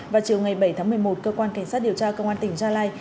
vào chiều ngày bảy tháng một mươi một cơ quan cảnh sát điều tra công an tỉnh gia lai